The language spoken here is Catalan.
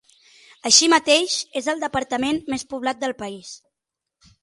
Així mateix, és el departament més poblat del país.